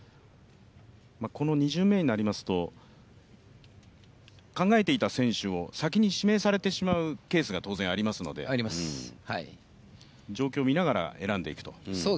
２巡目になりますと、考えていた選手を先に指名されてしまうケースが当然ありますので状況を見ながら選んでいくと。